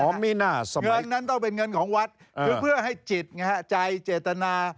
เมืองนั้นต้องเป็นเงินของวัดคือเพื่อให้จิตใจเจตนา